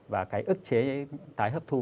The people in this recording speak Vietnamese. và cái ức chế tái hấp thu